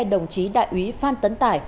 đồng chí đại úy phan tấn tài